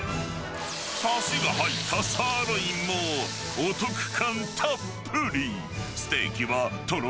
さしが入ったサーロインも、お得感たっぷり。